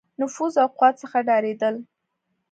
نفوذ او قوت څخه ډارېدل.